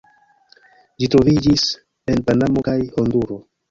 Ĝi troviĝis en Panamo kaj Honduro.